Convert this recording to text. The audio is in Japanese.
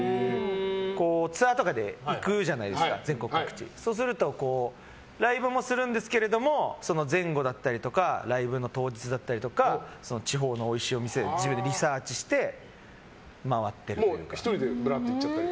ツアーとかで全国各地に行くじゃないですかそうするとライブもするんですけどもその前後だったりとかライブの当日だったりとか地方のおいしい店を自分でリサーチして１人でぶらっと行ったり？